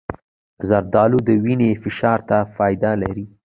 زردالو د وینې فشار ته فایده لري.